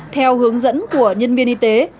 theo hướng dẫn của nhân viên y tế